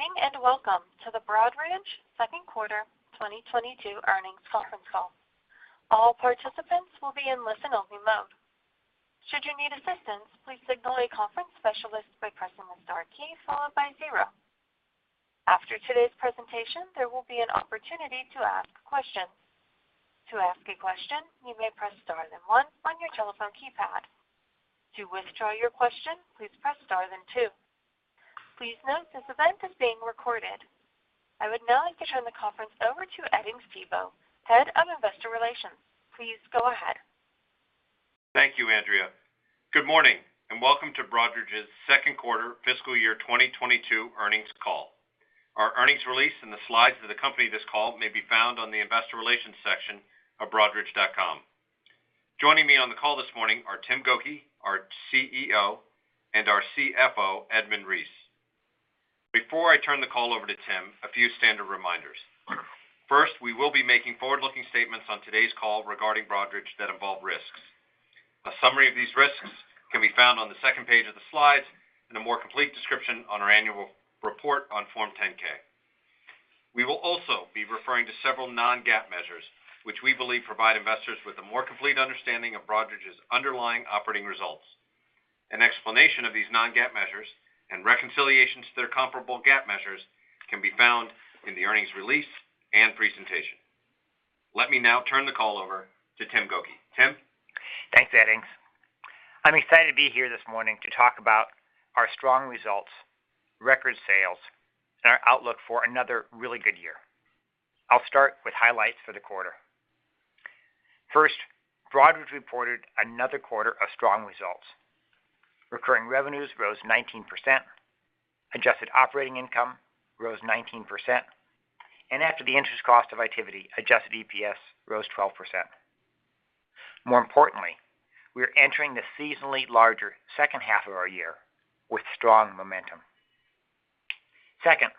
Good morning, and welcome to the Broadridge Second Quarter 2022 Earnings Conference Call. All participants will be in listen only mode. Should you need assistance, please signal a conference specialist by pressing the star key followed by zero. After today's presentation, there will be an opportunity to ask questions. To ask a question, you may press star then one on your telephone keypad. To withdraw your question, please press star then two. Please note this event is being recorded. I would now like to turn the conference over to Edings Thibault, Head of Investor Relations. Please go ahead. Thank you, Andrea. Good morning, and welcome to Broadridge's Second Quarter Fiscal Year 2022 Earnings Call. Our Earnings Release and the slides of the company this call may be found on the investor relations section of broadridge.com. Joining me on the call this morning are Tim Gokey, our CEO, and our CFO, Edmund Reese. Before I turn the call over to Tim, a few standard reminders. First, we will be making forward-looking statements on today's call regarding Broadridge that involve risks. A summary of these risks can be found on the second page of the slides, and a more complete description on our annual report on form 10-K. We will also be referring to several non-GAAP measures, which we believe provide investors with a more complete understanding of Broadridge's underlying operating results. An explanation of these non-GAAP measures and reconciliation to their comparable GAAP measures can be found in the earnings release and presentation. Let me now turn the call over to Tim Gokey. Tim. Thanks, Edings. I'm excited to be here this morning to talk about our strong results, record sales, and our outlook for another really good year. I'll start with highlights for the quarter. First, Broadridge reported another quarter of strong results. Recurring revenues rose 19%, adjusted operating income rose 19%, and after the interest cost of Itiviti, Adjusted EPS rose 12%. More importantly, we are entering the seasonally larger second half of our year with strong momentum. Second,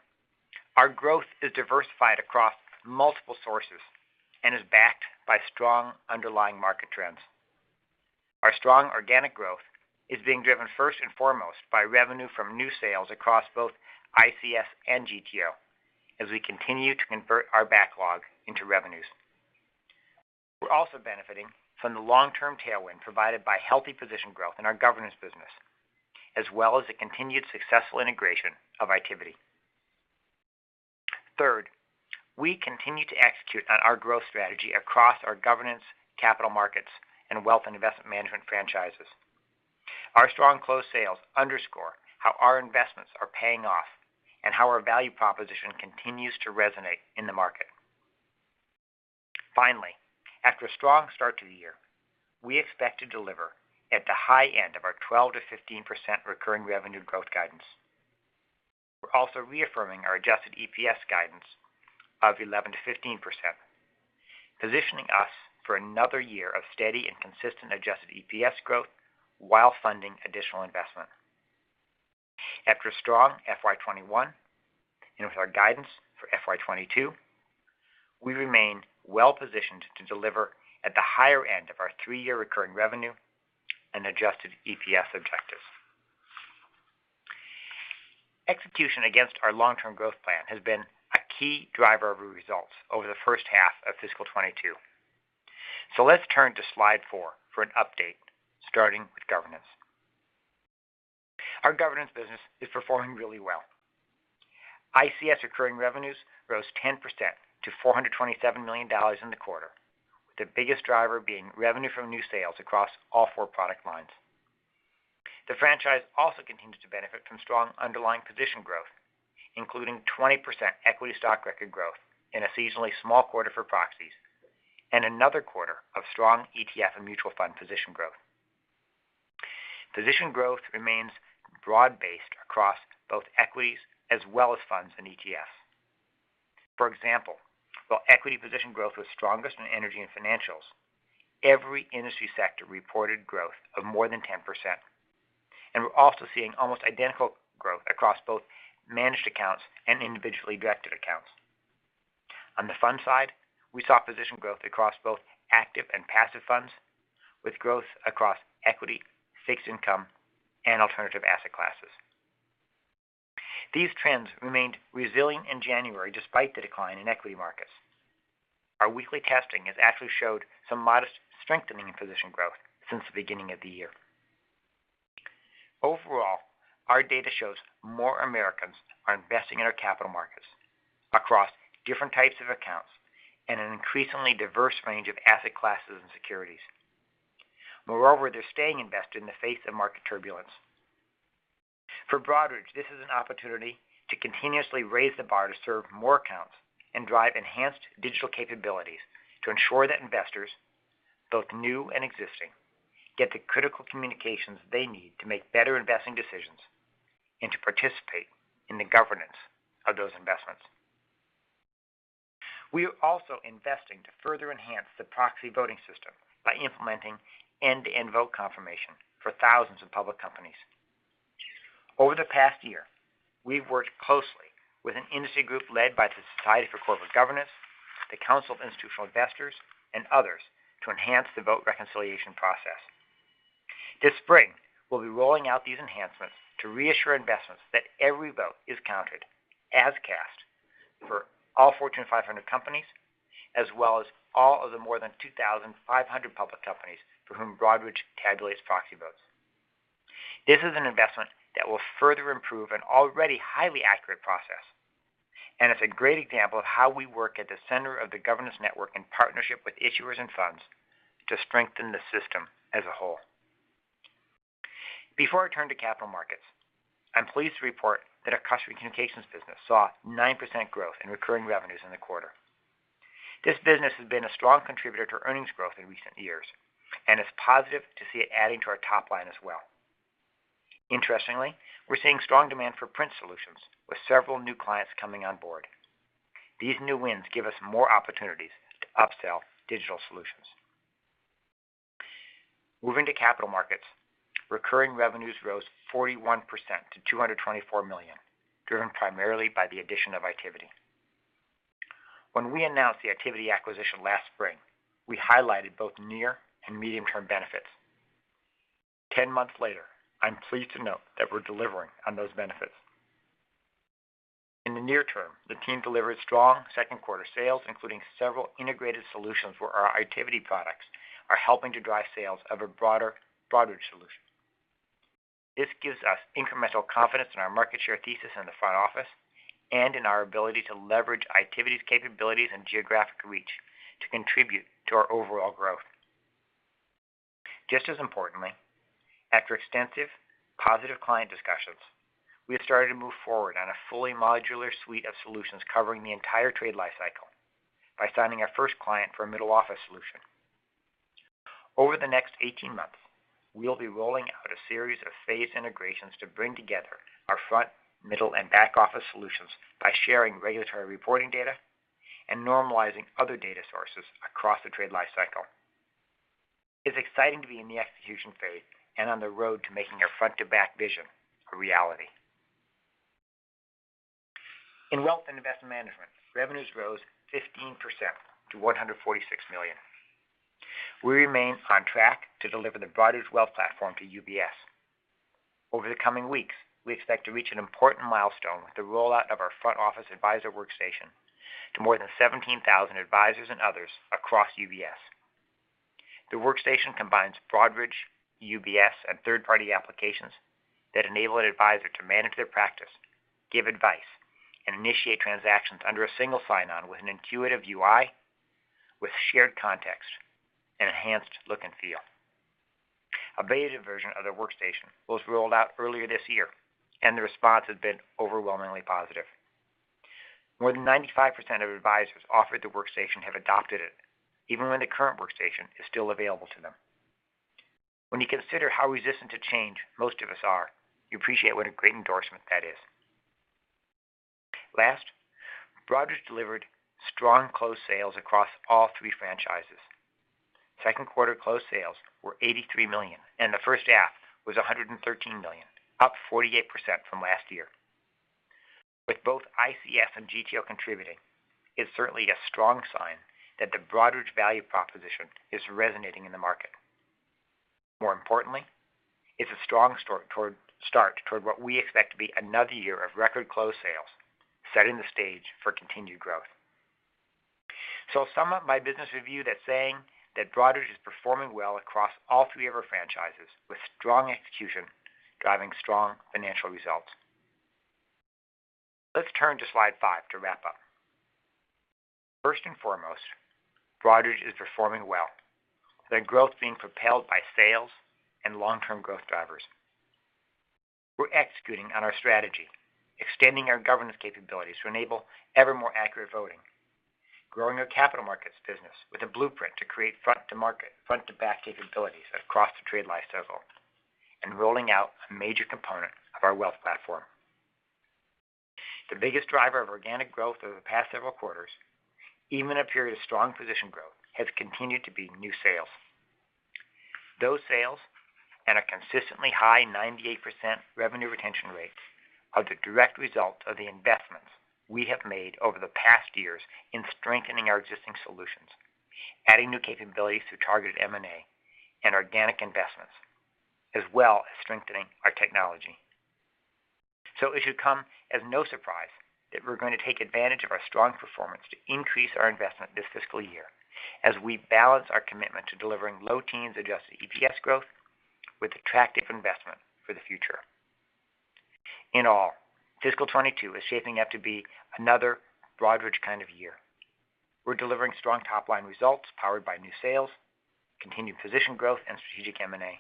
our growth is diversified across multiple sources and is backed by strong underlying market trends. Our strong organic growth is being driven first and foremost by revenue from new sales across both ICS and GTO as we continue to convert our backlog into revenues. We're also benefiting from the long-term tailwind provided by healthy position growth in our governance business, as well as the continued successful integration of Itiviti. Third, we continue to execute on our growth strategy across our Governance, Capital Markets, and Wealth & Investment Management franchises. Our strong closed sales underscore how our investments are paying off and how our value proposition continues to resonate in the market. Finally, after a strong start to the year, we expect to deliver at the high end of our 12%-15% recurring revenue growth guidance. We're also reaffirming our Adjusted EPS guidance of 11%-15%, positioning us for another year of steady and consistent Adjusted EPS growth while funding additional investment. After a strong FY 2021, and with our guidance for FY 2022, we remain well-positioned to deliver at the higher end of our three-year recurring revenue and Adjusted EPS objectives. Execution against our long-term growth plan has been a key driver of results over the first half of fiscal 2022. Let's turn to slide four for an update, starting with governance. Our governance business is performing really well. ICS recurring revenues rose 10% to $427 million in the quarter, with the biggest driver being revenue from new sales across all four product lines. The franchise also continues to benefit from strong underlying position growth, including 20% equity stock Record Growth in a seasonally small quarter for proxies and another quarter of strong ETF and mutual fund position growth. Position growth remains broad-based across both equities as well as funds and ETFs. For example, while equity position growth was strongest in energy and financials, every industry sector reported growth of more than 10%, and we're also seeing almost identical growth across both managed accounts and individually directed accounts. On the fund side, we saw position growth across both active and passive funds, with growth across equity, fixed income, and alternative asset classes. These trends remained resilient in January despite the decline in equity markets. Our weekly testing has actually showed some modest strengthening in position growth since the beginning of the year. Overall, our data shows more Americans are investing in our Capital Markets across different types of accounts and an increasingly diverse range of asset classes and securities. Moreover, they're staying invested in the face of market turbulence. For Broadridge, this is an opportunity to continuously raise the bar to serve more accounts and drive enhanced digital capabilities to ensure that investors, both new and existing, get the critical communications they need to make better investing decisions and to participate in the governance of those investments. We are also investing to further enhance the proxy voting system by implementing end-to-end vote confirmation for thousands of public companies. Over the past year, we've worked closely with an industry group led by the Society for Corporate Governance, the Council of Institutional Investors and others to enhance the vote reconciliation process. This spring, we'll be rolling out these enhancements to reassure investors that every vote is counted as cast for all Fortune 500 companies, as well as all of the more than 2,500 public companies for whom Broadridge tabulates proxy votes. This is an investment that will further improve an already highly accurate process, and it's a great example of how we work at the center of the governance network in partnership with issuers and funds to strengthen the system as a whole. Before I turn to Capital Markets, I'm pleased to report that our customer communications business saw 9% growth in recurring revenues in the quarter. This business has been a strong contributor to earnings growth in recent years, and it's positive to see it adding to our top line as well. Interestingly, we're seeing strong demand for print solutions, with several new clients coming on board. These new wins give us more opportunities to upsell digital solutions. Moving to Capital Markets, recurring revenues rose 41% to $224 million, driven primarily by the addition of Itiviti. When we announced the Itiviti acquisition last spring, we highlighted both near and medium-term benefits. 10 months later, I'm pleased to note that we're delivering on those benefits. In the near term, the team delivered strong second-quarter sales, including several integrated solutions where our Itiviti products are helping to drive sales of a broader solution. This gives us incremental confidence in our market share thesis in the front office and in our ability to leverage Itiviti's capabilities and geographic reach to contribute to our overall growth. Just as importantly, after extensive positive client discussions, we have started to move forward on a fully modular suite of solutions covering the entire trade life cycle by signing our first client for a middle-office solution. Over the next 18 months, we will be rolling out a series of phased integrations to bring together our front, middle and back-office solutions by sharing regulatory reporting data and normalizing other data sources across the trade life cycle. It's exciting to be in the execution phase and on the road to making our front-to-back vision a reality. In Wealth & Investment Management, revenues rose 15% to $146 million. We remain on track to deliver the Broadridge Wealth Platform to UBS. Over the coming weeks, we expect to reach an important milestone with the rollout of our front office advisor workstation to more than 17,000 advisors and others across UBS. The workstation combines Broadridge, UBS, and third-party applications that enable an advisor to manage their practice, give advice, and initiate transactions under a single sign on with an intuitive UI with shared context and enhanced look and feel. A beta version of the workstation was rolled out earlier this year, and the response has been overwhelmingly positive. More than 95% of advisors offered the workstation have adopted it even when the current workstation is still available to them. When you consider how resistant to change most of us are, you appreciate what a great endorsement that is. Last, Broadridge delivered strong closed sales across all three franchises. Second quarter closed sales were $83 million and the first half was $113 million, up 48% from last year. With both ICS and GTO contributing it's certainly a strong sign that the Broadridge value proposition is resonating in the market. More importantly, it's a strong start toward what we expect to be another year of record closed sales, setting the stage for continued growth. I'll sum up my business review by saying that Broadridge is performing well across all three of our franchises with strong execution, driving strong financial results. Let's turn to slide five to wrap up. First and foremost, Broadridge is performing well, that growth being propelled by sales and long-term growth drivers. We're executing on our strategy, extending our governance capabilities to enable ever more accurate voting, growing our Capital Markets business with a blueprint to create front-to-back capabilities across the trade life cycle, and rolling out a major component of our wealth platform. The biggest driver of organic growth over the past several quarters, in a period of strong position growth, has continued to be new sales. Those sales and a consistently high 98% revenue retention rate are the direct result of the investments we have made over the past years in strengthening our existing solutions, adding new capabilities through targeted M&A and organic investments, as well as strengthening our technology. It should come as no surprise that we're going to take advantage of our strong performance to increase our investment this fiscal year as we balance our commitment to delivering low teens Adjusted EPS growth with attractive investment for the future. In all, fiscal 2022 is shaping up to be another Broadridge kind of year. We're delivering strong top-line results powered by new sales, continued position growth and strategic M&A.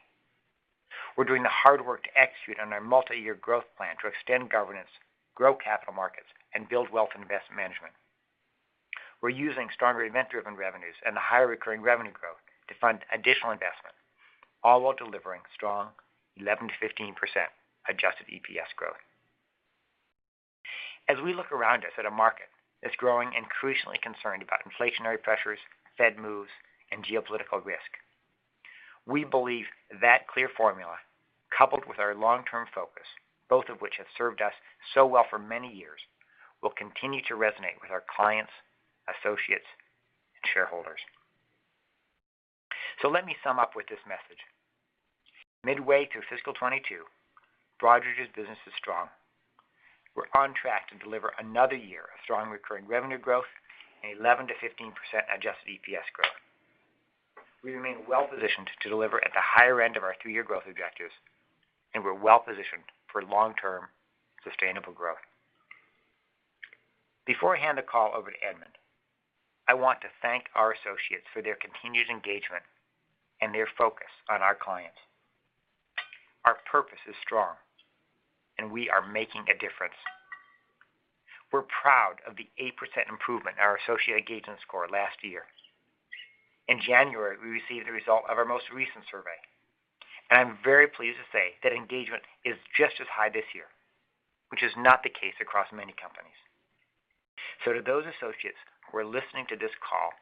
We're doing the hard work to execute on our multi-year growth plan to Extend Governance, Grow Capital Markets, and Build Wealth & Investment Management. We're using stronger event-driven revenues and the higher recurring revenue growth to fund additional investment, all while delivering strong 11%-15% Adjusted EPS growth. As we look around us at a market that's growing and crucially concerned about inflationary pressures, Fed moves and geopolitical risk. We believe that clear formula, coupled with our long-term focus, both of which have served us so well for many years, will continue to resonate with our clients, associates, and shareholders. Let me sum up with this message. Midway through fiscal 2022, Broadridge's business is strong. We're on track to deliver another year of strong recurring revenue growth and 11%-15% Adjusted EPS growth. We remain well-positioned to deliver at the higher end of our three-year growth objectives, and we're well-positioned for long-term sustainable growth. Before I hand the call over to Edmund, I want to thank our associates for their continued engagement and their focus on our clients. Our purpose is strong, and we are making a difference. We're proud of the 8% improvement in our associate engagement score last year. In January, we received the result of our most recent survey, and I'm very pleased to say that engagement is just as high this year, which is not the case across many companies. To those associates who are listening to this call,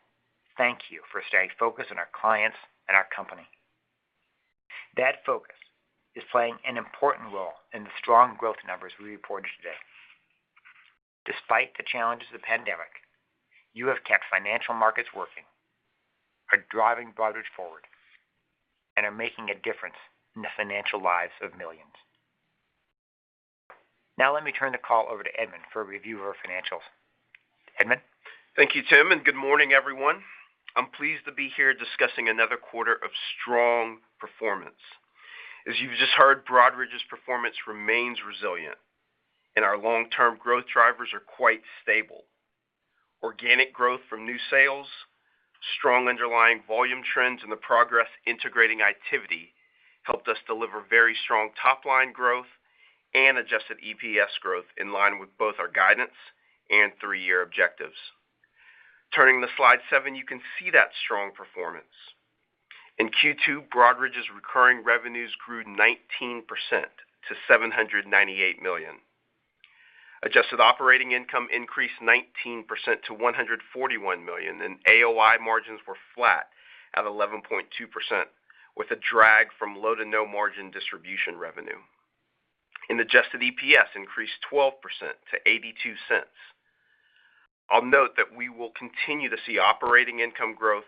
thank you for staying focused on our clients and our company. That focus is playing an important role in the strong growth numbers we reported today. Despite the challenges of the pandemic, you have kept financial markets working, are driving Broadridge forward, and are making a difference in the financial lives of millions. Now let me turn the call over to Edmund for a review of our financials. Edmund? Thank you, Tim, and good morning, everyone. I'm pleased to be here discussing another quarter of strong performance. As you've just heard, Broadridge's performance remains resilient, and our long-term growth drivers are quite stable. Organic growth from new sales, strong underlying volume trends, and the progress integrating Itiviti helped us deliver very strong top-line growth and Adjusted EPS growth in line with both our guidance and three-year objectives. Turning to slide seven, you can see that strong performance. In Q2, Broadridge's recurring revenues grew 19% to $798 million. Adjusted operating income increased 19% to $141 million, and AOI margins were flat at 11.2%, with a drag from low to no margin distribution revenue. Adjusted EPS increased 12% to $0.82. I'll note that we will continue to see operating income growth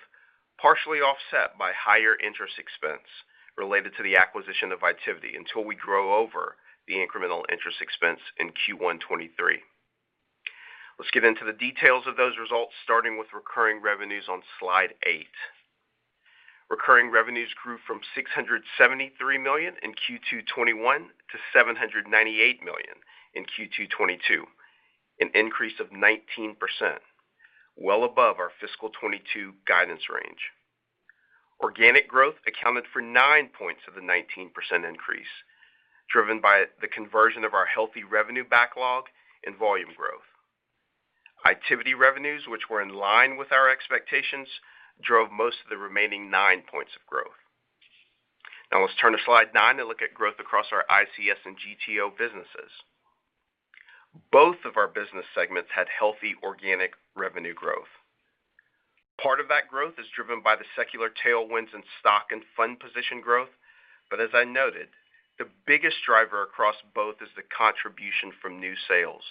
partially offset by higher interest expense related to the acquisition of Itiviti until we grow over the incremental interest expense in Q1 2023. Let's get into the details of those results, starting with recurring revenues on slide eight. Recurring revenues grew from $673 million in Q2 2021 to $798 million in Q2 2022, an increase of 19%, well above our fiscal 2022 guidance range. Organic growth accounted for nine points of the 19% increase, driven by the conversion of our healthy revenue backlog and volume growth. Itiviti revenues, which were in line with our expectations, drove most of the remaining nine points of growth. Now let's turn to slide 9 to look at growth across our ICS and GTO businesses. Both of our business segments had healthy organic revenue growth. Part of that growth is driven by the secular tailwinds in stock and fund position growth. As I noted, the biggest driver across both is the contribution from new sales.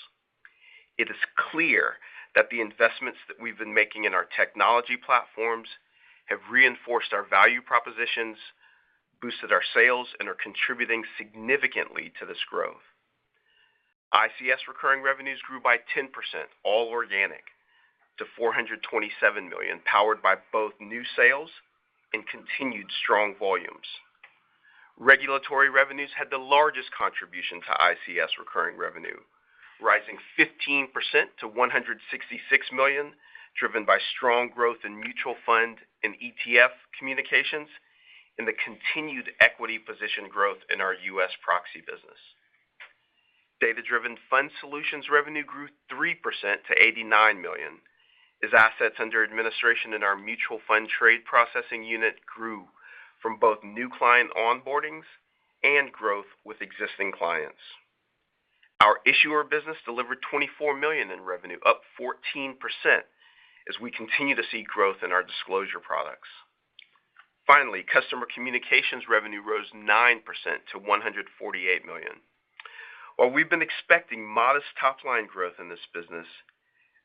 It is clear that the investments that we've been making in our technology platforms have reinforced our value propositions, boosted our sales, and are contributing significantly to this growth. ICS recurring revenues grew by 10%, all organic, to $427 million, powered by both new sales and continued strong volumes. Regulatory revenues had the largest contribution to ICS recurring revenue, rising 15% to $166 million, driven by strong growth in mutual fund and ETF communications and the continued equity position growth in our U.S. proxy business. Data-Driven Fund Solutions revenue grew 3% to $89 million, as assets under administration in our mutual fund trade processing unit grew from both new client onboardings and growth with existing clients. Our issuer business delivered $24 million in revenue, up 14%, as we continue to see growth in our disclosure products. Finally, Customer Communications revenue rose 9% to $148 million. While we've been expecting modest top-line growth in this business,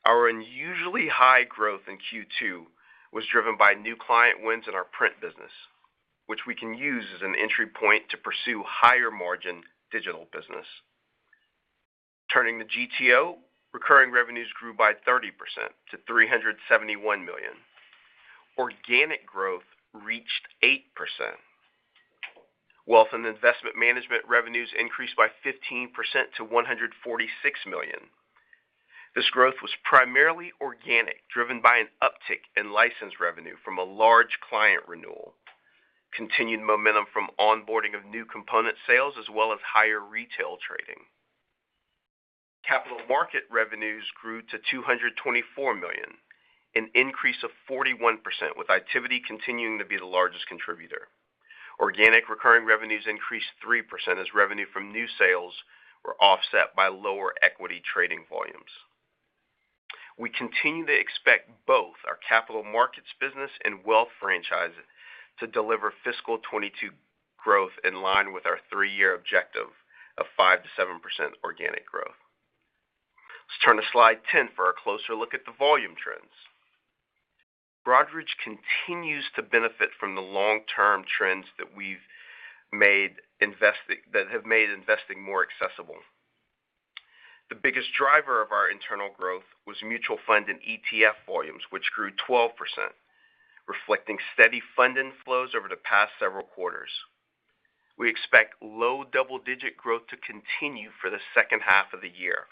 our unusually high growth in Q2 was driven by new client wins in our print business, which we can use as an entry point to pursue higher-margin digital business. Turning to GTO, recurring revenues grew by 30% to $371 million. Organic growth reached 8%. Wealth & Investment Management revenues increased by 15% to $146 million. This growth was primarily organic, driven by an uptick in license revenue from a large client renewal, continued momentum from onboarding of new component sales, as well as higher retail trading. Capital Markets revenues grew to $224 million, an increase of 41%, with Itiviti continuing to be the largest contributor. Organic recurring revenues increased 3% as revenue from new sales were offset by lower equity trading volumes. We continue to expect both our Capital Markets business and wealth franchise to deliver fiscal 2022 growth in line with our three-year objective of 5%-7% organic growth. Let's turn to slide 10 for a closer look at the volume trends. Broadridge continues to benefit from the long-term trends that have made investing more accessible. The biggest driver of our internal growth was mutual fund and ETF volumes, which grew 12%, reflecting steady fund inflows over the past several quarters. We expect low double-digit growth to continue for the second half of the year.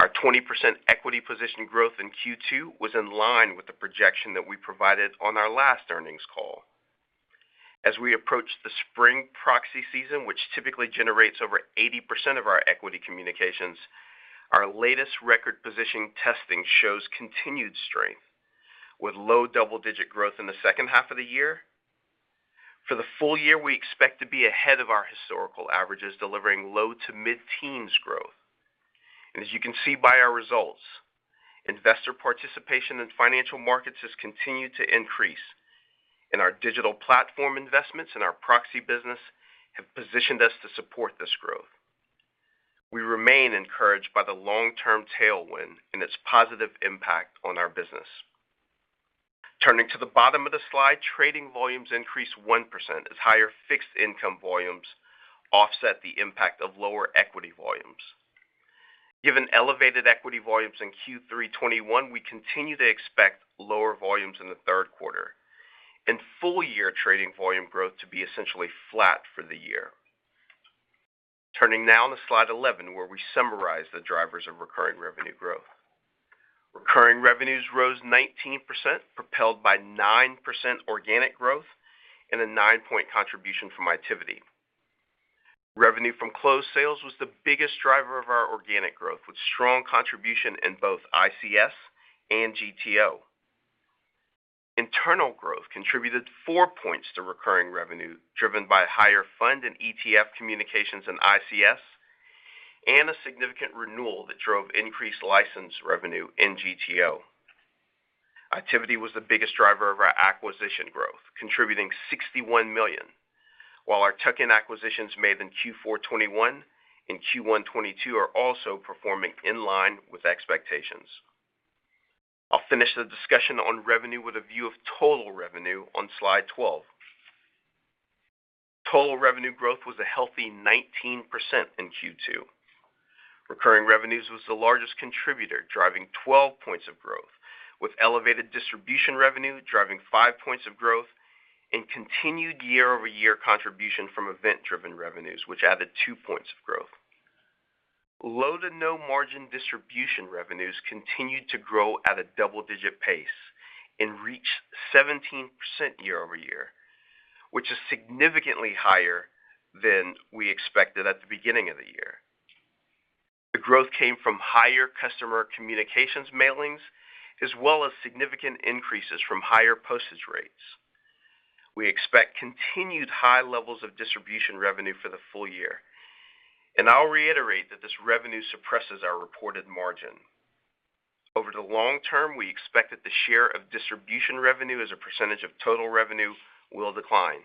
Our 20% equity position growth in Q2 was in line with the projection that we provided on our last earnings call. As we approach the Spring Proxy season, which typically generates over 80% of our equity communications, our latest record position testing shows continued strength with low double-digit growth in the second half of the year. For the full year, we expect to be ahead of our historical averages, delivering low to mid-teens growth. As you can see by our results, investor participation in financial markets has continued to increase, and our digital platform investments and our proxy business have positioned us to support this growth. We remain encouraged by the long-term tailwind and its positive impact on our business. Turning to the bottom of the slide, trading volumes increased 1% as higher fixed income volumes offset the impact of lower equity volumes. Given elevated equity volumes in Q3 2021, we continue to expect lower volumes in the third quarter and full-year trading volume growth to be essentially flat for the year. Turning now to slide 11, where we summarize the drivers of recurring revenue growth. Recurring revenues rose 19%, propelled by 9% organic growth and a nine-point contribution from Itiviti. Revenue from closed sales was the biggest driver of our organic growth, with strong contribution in both ICS and GTO. Internal growth contributed four points to recurring revenue, driven by higher fund and ETF communications in ICS and a significant renewal that drove increased license revenue in GTO. Itiviti was the biggest driver of our acquisition growth, contributing $61 million, while our tuck-in acquisitions made in Q4 2021 and Q1 2022 are also performing in line with expectations. I'll finish the discussion on revenue with a view of total revenue on slide 12. Total revenue growth was a healthy 19% in Q2. Recurring revenues was the largest contributor, driving 12 points of growth, with elevated distribution revenue driving five points of growth and continued year-over-year contribution from event-driven revenues, which added two points of growth. Low to no margin distribution revenues continued to grow at a double-digit pace and reached 17% year-over-year, which is significantly higher than we expected at the beginning of the year. The growth came from higher customer communications mailings, as well as significant increases from higher postage rates. We expect continued high levels of distribution revenue for the full year, and I'll reiterate that this revenue suppresses our reported margin. Over the long term, we expect that the share of distribution revenue as a percentage of total revenue will decline.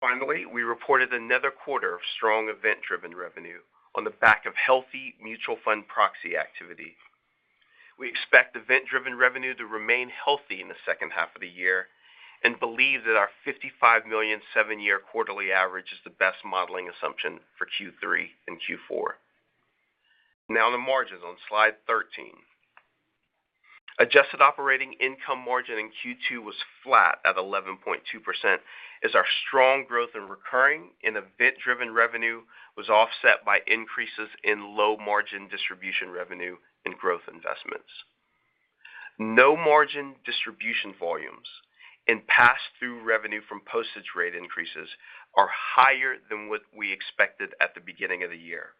Finally, we reported another quarter of strong event-driven revenue on the back of healthy mutual fund proxy activity. We expect event-driven revenue to remain healthy in the second half of the year and believe that our $55 million seven-year quarterly average is the best modeling assumption for Q3 and Q4. Now, the margins on slide 13. Adjusted operating income margin in Q2 was flat at 11.2% as our strong growth in recurring and event-driven revenue was offset by increases in Low Margin Distribution revenue and Growth Investments. Non-margin distribution volumes and passthrough revenue from postage rate increases are higher than what we expected at the beginning of the year.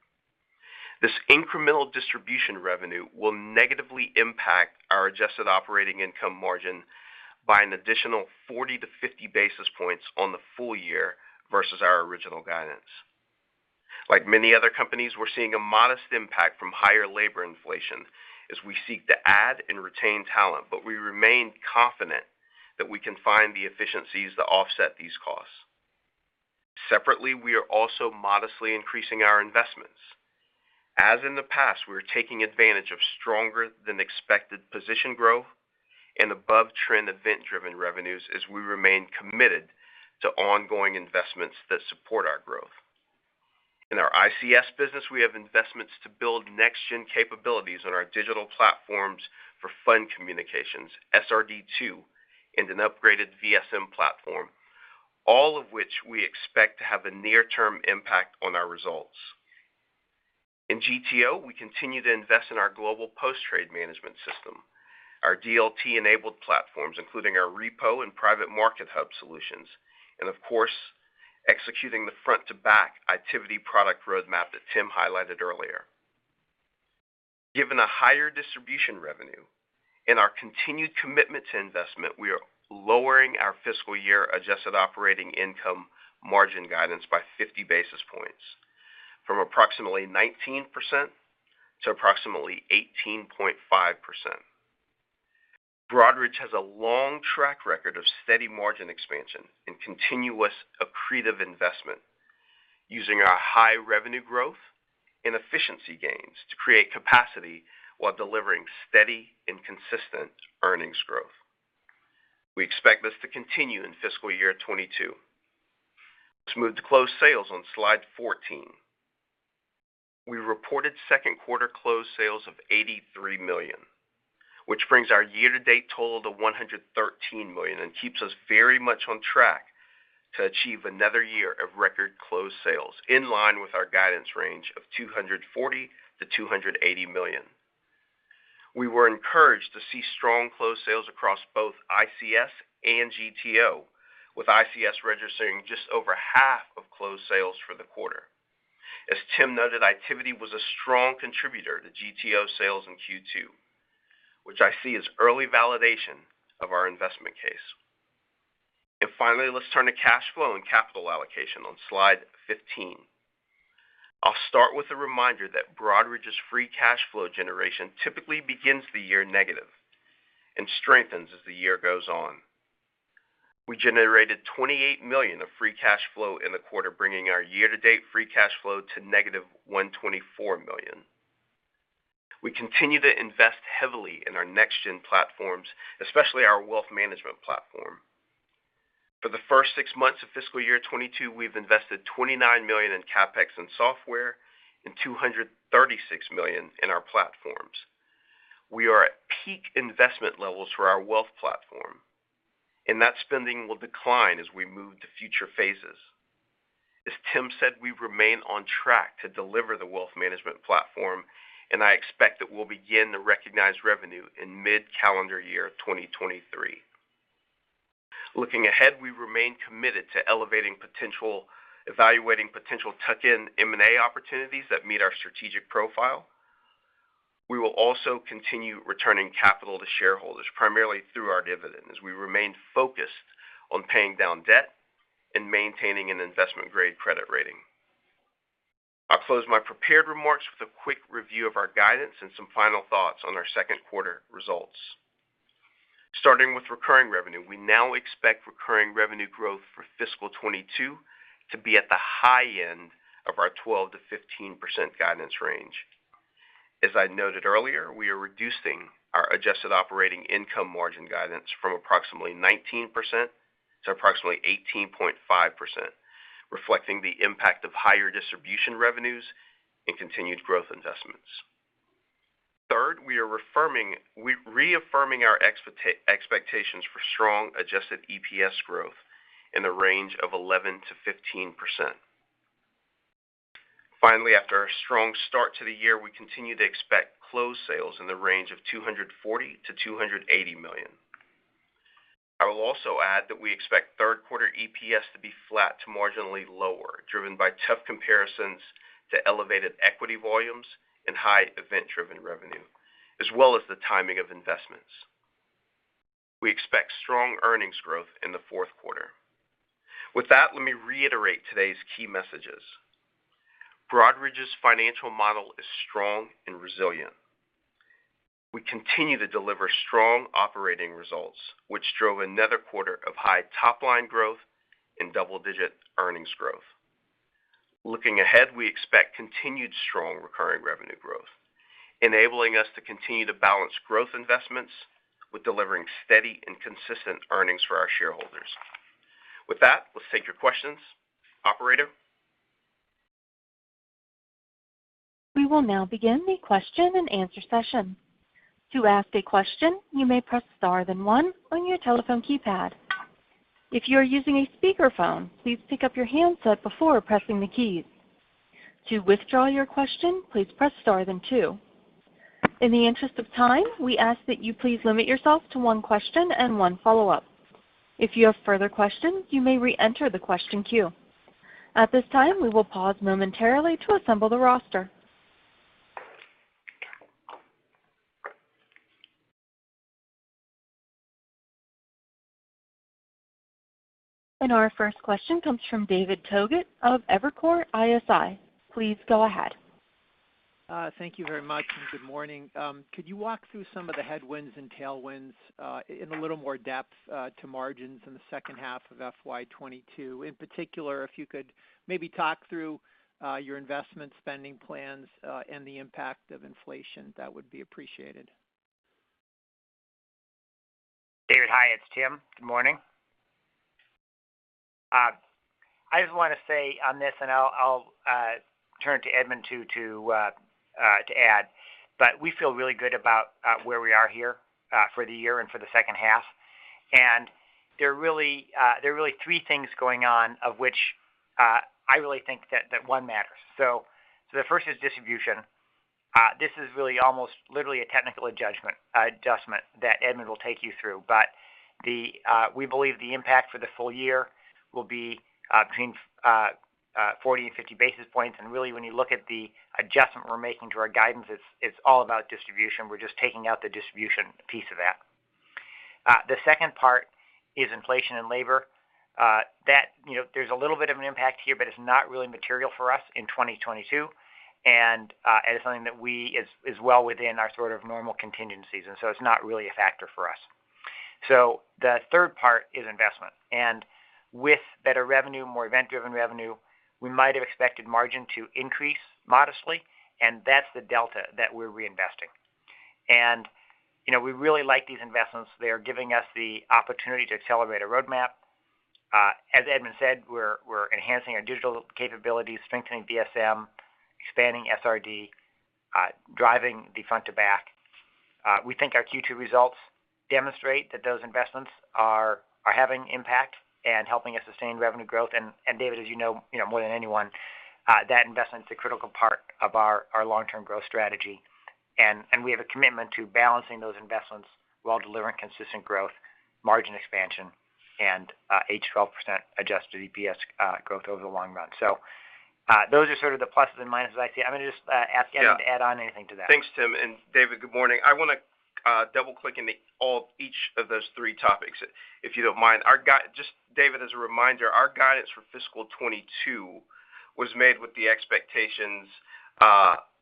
This incremental distribution revenue will negatively impact our adjusted operating income margin by an additional 40% to 50 basis points on the full year versus our original guidance. Like many other companies, we're seeing a modest impact from higher labor inflation as we seek to add and retain talent, but we remain confident that we can find the efficiencies to offset these costs. Separately, we are also modestly increasing our investments. As in the past, we are taking advantage of stronger-than-expected position growth and above-trend event-driven revenues as we remain committed to ongoing investments that support our growth. In our ICS business, we have investments to build next gen capabilities on our digital platforms for fund communications, SRD II, and an upgraded VSM platform, all of which we expect to have a near-term impact on our results. In GTO, we continue to invest in our global post-trade management system, our DLT-enabled platforms, including our repo and private market hub solutions, and of course, executing the front to back Itiviti product roadmap that Tim highlighted earlier. Given a higher distribution revenue. In our continued commitment to investment, we are lowering our fiscal year adjusted operating income margin guidance by 50 basis points from approximately 19% to approximately 18.5%. Broadridge has a long track record of steady margin expansion and continuous accretive investment using our high revenue growth and efficiency gains to create capacity while delivering steady and consistent earnings growth. We expect this to continue in fiscal year 2022. Let's move to closed sales on slide 14. We reported second quarter closed sales of $83 million, which brings our year-to-date total to $113 million and keeps us very much on track to achieve another year of record closed sales in line with our guidance range of $240 million to 280 million. We were encouraged to see strong closed sales across both ICS and GTO, with ICS registering just over half of closed sales for the quarter. As Tim noted, activity was a strong contributor to GTO sales in Q2, which I see as early validation of our investment case. Finally, let's turn to cash flow and capital allocation on slide 15. I'll start with a reminder that Broadridge's free cash flow generation typically begins the year negative and strengthens as the year goes on. We generated $28 million of free cash flow in the quarter, bringing our year-to-date free cash flow to negative $124 million. We continue to invest heavily in our next-gen platforms, especially our wealth management platform. For the first six months of fiscal year 2022, we've invested $29 million in CapEx and software and $236 million in our platforms. We are at peak investment levels for our wealth platform, and that spending will decline as we move to future phases. As Tim said, we remain on track to deliver the wealth management platform, and I expect that we'll begin to recognize revenue in mid-calendar year 2023. Looking ahead, we remain committed to evaluating potential tuck-in M&A opportunities that meet our strategic profile. We will also continue returning capital to shareholders, primarily through our dividend, as we remain focused on paying down debt and maintaining an investment-grade credit rating. I'll close my prepared remarks with a quick review of our guidance and some final thoughts on our second quarter results. Starting with recurring revenue, we now expect recurring revenue growth for fiscal 2022 to be at the high end of our 12%-15% guidance range. As I noted earlier, we are reducing our adjusted operating income margin guidance from approximately 19% to approximately 18.5%, reflecting the impact of Higher Distribution revenues and continued Growth Investments. Third, we are reaffirming our expectations for strong Adjusted EPS growth in the range of 11%-15%. Finally, after our strong start to the year, we continue to expect closed sales in the range of $240 million to 280 million. I will also add that we expect third quarter EPS to be flat to marginally lower, driven by tough comparisons to elevated equity volumes and high event-driven revenue, as well as the timing of investments. We expect strong earnings growth in the fourth quarter. With that, let me reiterate today's key messages. Broadridge's financial model is strong and resilient. We continue to deliver strong operating results, which drove another quarter of high top-line growth and double-digit earnings growth. Looking ahead, we expect continued strong recurring revenue growth, enabling us to continue to balance Growth Investments with delivering steady and consistent earnings for our shareholders. With that, let's take your questions. Operator? We will now begin the question-and-answer session. To ask a question, you may press star then one on your telephone keypad. If you are using a speakerphone, please pick up your handset before pressing the keys. To withdraw your question, please press star then two. In the interest of time, we ask that you please limit yourself to one question and one follow-up. If you have further questions, you may reenter the question queue. At this time, we will pause momentarily to assemble the roster. Our first question comes from David Togut of Evercore ISI. Please go ahead. Thank you very much, and good morning. Could you walk through some of the headwinds and tailwinds in a little more depth to margins in the second half of FY 2022? In particular, if you could maybe talk through your investment spending plans and the impact of inflation, that would be appreciated. David, hi, it's Tim. Good morning. I just want to say on this, and I'll turn to Edmund Reese to add, but we feel really good about where we are here for the year and for the second half. There are really three things going on, of which I really think that one matters. The first is distribution. This is really almost literally a technical adjustment that Edmund Reese will take you through. We believe the impact for the full year will be between 40-50 basis points. Really when you look at the adjustment we're making to our guidance, it's all about distribution. We're just taking out the distribution piece of that. The second part is inflation and labor. You know, there's a little bit of an impact here, but it's not really material for us in 2022. It's something that is well within our sort of normal contingencies. It's not really a factor for us. The third part is investment. With better revenue, more event-driven revenue, we might have expected margin to increase modestly, and that's the delta that we're reinvesting. You know, we really like these investments. They are giving us the opportunity to accelerate our roadmap. As Edmund said, we're enhancing our digital capabilities, strengthening VSM, expanding SRD, driving the front to back. We think our Q2 results demonstrate that those investments are having impact and helping us sustain revenue growth. And, David, as you know, you know, more than anyone, that investment's a critical part of our long-term growth strategy. We have a commitment to balancing those investments while delivering consistent growth, margin expansion, and 8%-12% Adjusted EPS growth over the long run. Those are sort of the pluses and minuses I see. I'm gonna just ask Edmund- Yeah. To add on anything to that. Thanks, Tim. And David, good morning. I wanna double-click into each of those three topics, if you don't mind. Just, David, as a reminder, our guidance for fiscal 2022 was made with the expectations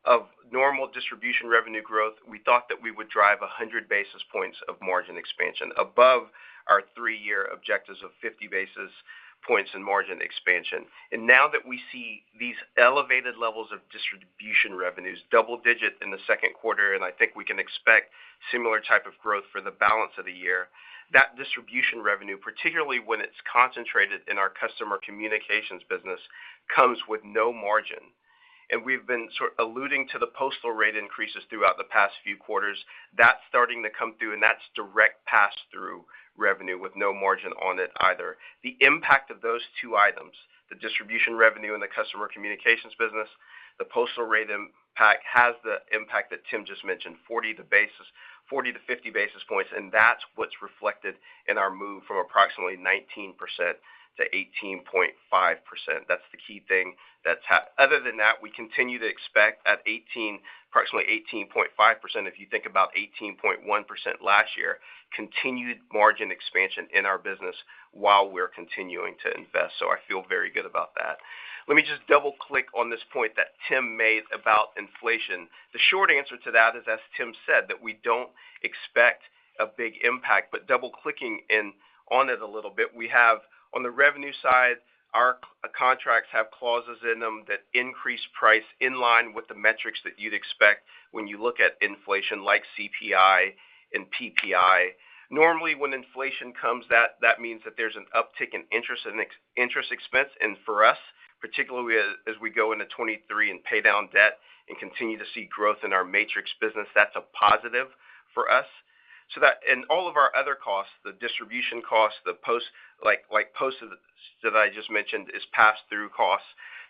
of normal distribution revenue growth. We thought that we would drive 100 basis points of margin expansion above our three-year objectives of 50 basis points in margin expansion. Now that we see these elevated levels of distribution revenues, double-digit in the second quarter, and I think we can expect similar type of growth for the balance of the year, that distribution revenue, particularly when it's concentrated in our Customer Communications business, comes with no margin. We've been sort of alluding to the postal rate increases throughout the past few quarters. That's starting to come through, and that's direct pass-through revenue with no margin on it either. The impact of those two items, the distribution revenue and the customer communications business, the postal rate impact has the impact that Tim just mentioned, 40-50 basis points, and that's what's reflected in our move from approximately 19% to 18.5%. That's the key thing. Other than that, we continue to expect approximately 18.5%, if you think about 18.1% last year, continued margin expansion in our business while we're continuing to invest. I feel very good about that. Let me just double-click on this point that Tim made about inflation. The short answer to that is, as Tim said, that we don't expect a big impact. Double-clicking on it a little bit, we have on the revenue side, our contracts have clauses in them that increase price in line with the metrics that you'd expect when you look at inflation like CPI and PPI. Normally, when inflation comes, that means that there's an uptick in interest and ex-interest expense. For us, particularly as we go into 2023 and pay down debt and continue to see growth in our Matrix business, that's a positive for us. That and all of our other costs, the distribution costs, the post, like post that I just mentioned is pass-through costs.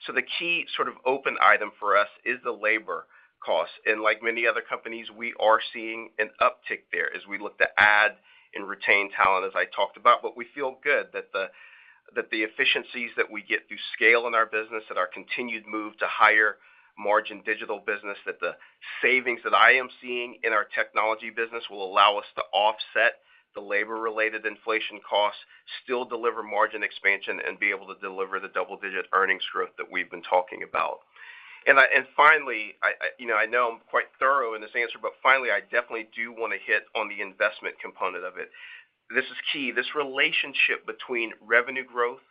The key sort of open item for us is the labor costs. Like many other companies, we are seeing an uptick there as we look to add and retain talent, as I talked about. We feel good that the efficiencies that we get through scale in our business, that our continued move to higher margin digital business, that the savings that I am seeing in our technology business will allow us to offset the labor-related inflation costs, still deliver margin expansion, and be able to deliver the double-digit earnings growth that we've been talking about. Finally, you know, I know I'm quite thorough in this answer, but finally, I definitely do wanna hit on the investment component of it. This is key. This relationship between revenue growth,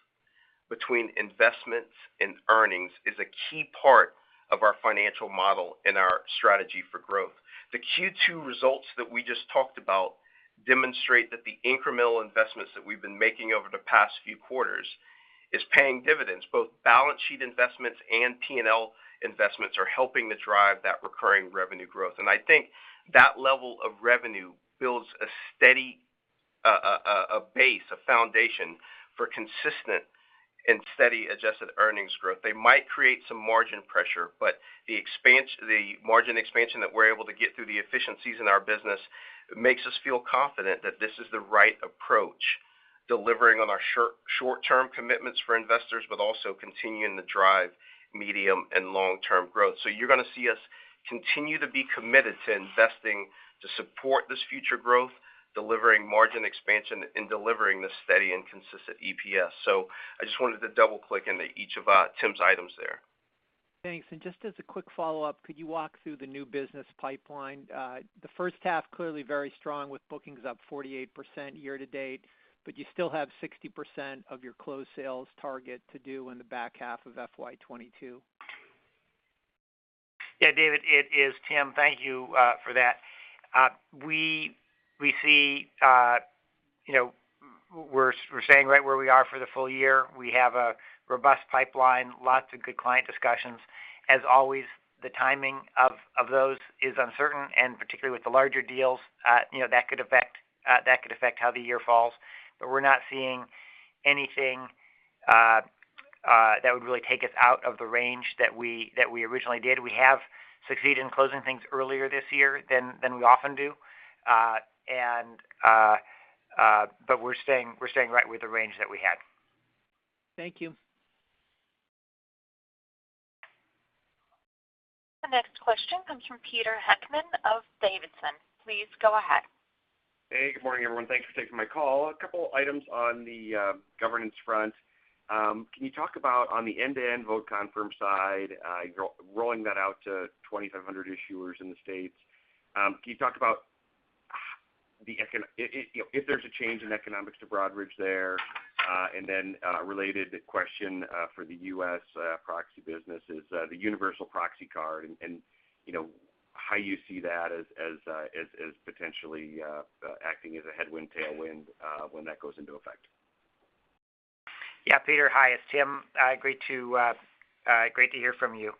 between investments and earnings is a key part of our financial model and our strategy for growth. The Q2 results that we just talked about demonstrate that the incremental investments that we've been making over the past few quarters is paying dividends. Both balance sheet investments and P&L investments are helping to drive that recurring revenue growth. I think that level of revenue builds a steady base, a foundation for consistent and steady adjusted earnings growth. They might create some margin pressure, but the margin expansion that we're able to get through the efficiencies in our business makes us feel confident that this is the right approach, delivering on our short-term commitments for investors, but also continuing to drive medium and long-term growth. You're gonna see us continue to be committed to investing to support this future growth, delivering margin expansion and delivering this steady and consistent EPS. I just wanted to double-click into each of Tim's items there. Thanks. Just as a quick follow-up, could you walk through the new business pipeline? The first half, clearly very strong with bookings up 48% year to date, but you still have 60% of your closed sales target to do in the back half of FY 2022. Yeah, David, it is Tim. Thank you for that. We see, you know, we're staying right where we are for the full year. We have a robust pipeline, lots of good client discussions. As always, the timing of those is uncertain, and particularly with the larger deals, you know, that could affect how the year falls. We're not seeing anything that would really take us out of the range that we originally did. We have succeeded in closing things earlier this year than we often do. We're staying right with the range that we had. Thank you. The next question comes from Peter Heckmann of Davidson. Please go ahead. Hey, good morning, everyone. Thanks for taking my call. A couple items on the governance front. Can you talk about on the end-to-end vote confirm side, rolling that out to 2,500 issuers in the States? Can you talk about the economics, you know, if there's a change in economics to Broadridge there? And then, related question, for the U.S., proxy business is, the universal proxy card and, you know, how you see that as potentially, acting as a headwind, tailwind, when that goes into effect? Peter, hi, it's Tim. Great to hear from you.